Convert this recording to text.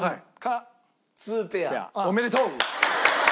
おめでとう！